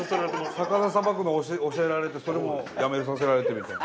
魚さばくの教えられてそれもやめさせられてみたいな。